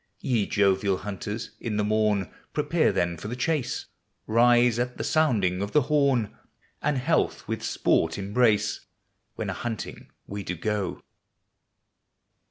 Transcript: Ye jovial hunters, in the morn Prepare then for the chase; Rise at the sounding of the horn And health with sport embrace, When a hunting we do go.